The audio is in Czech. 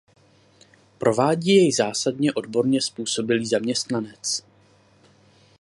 Provádí jej zásadně odborně způsobilý zaměstnanec.